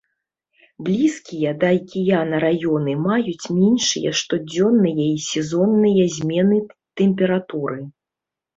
Блізкія да акіяна раёны маюць меншыя штодзённыя і сезонныя змены тэмпературы.